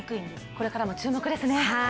これからも注目ですね。